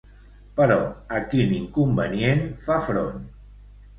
Però a quin inconvenient fa front?